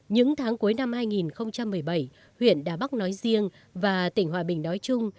những tháng cuối năm hai nghìn một mươi bảy huyện đà bắc nói riêng và tỉnh hòa bình nói chung